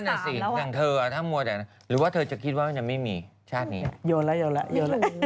น้องเขาค้ารู้อายุน้อยกว่ารถเมบไปเยอะมากเลย